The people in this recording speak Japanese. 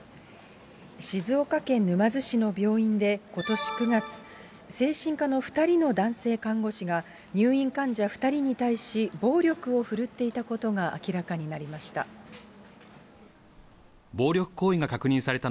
静岡県沼津市の病院で、ことし９月、精神科の２人の男性看護師が、入院患者２人に対し、暴力を振るっていたことが明らかになりました。